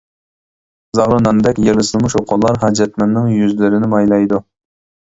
زاغرا ناندەك يېرىلسىمۇ شۇ قوللار، ھاجەتمەننىڭ يۈزلىرىنى مايلايدۇ.